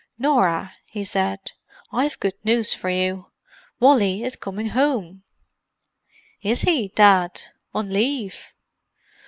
"Norah," he said. "I've good news for you—Wally is coming home." "Is he, Dad? On leave?"